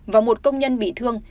và một công nhân bị thương